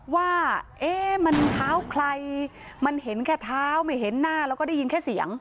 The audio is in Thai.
ว่าเอ๊ะมันเท้าใครมันเห็นแค่เท้าไม่เห็นหน้าแล้วก็ได้ยินแค่เสียง